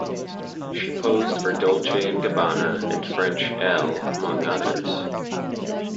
She posed for Dolce and Gabbana and French "Elle", among others.